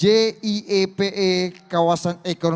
jiepe kawasan jepang